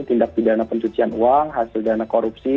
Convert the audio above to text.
tindak pidana pencucian uang hasil dana korupsi